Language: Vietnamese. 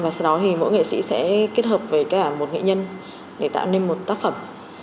và sau đó thì mỗi nghệ sĩ sẽ kết hợp với cả một nghệ nhân để tạo nên một tác phẩm